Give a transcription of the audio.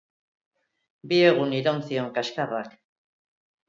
Bi egun iraun zion kaxkarrak.